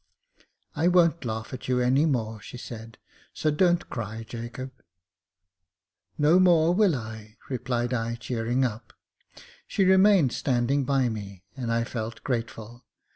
I won't laugh at you any more," said she j " so don't cry, Jacob." •' No more I will," replied I, cheering up. She remained standing by me, and I felt grateful.